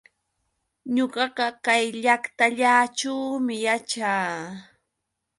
Ñuqaqa kay llaqtallaćhuumi yaćhaa.